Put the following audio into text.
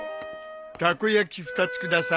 ・たこ焼き２つください。